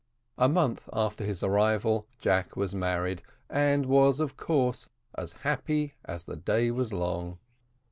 A month after his arrival Jack was married, and was, of course, as happy as the day was long.